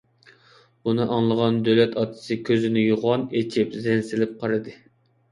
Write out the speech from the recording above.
بۇنى ئاڭلىغان دۆلەت ئاتىسى كۆزىنى يوغان ئېچىپ زەن سېلىپ قارىدى.